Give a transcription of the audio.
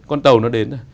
con tàu nó đến